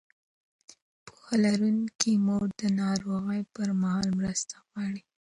پوهه لرونکې مور د ناروغۍ پر مهال مرسته غواړي.